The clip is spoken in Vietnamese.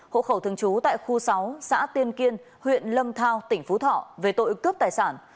hộ khẩu thường trú tại khu sáu xã tiên kiên huyện lâm thao tỉnh phú thọ về tội cướp tài sản